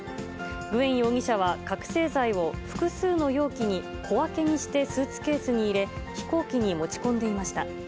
グエン容疑者は覚醒剤を複数の容器に小分けにしてスーツケースに入れ、飛行機に持ち込んでいました。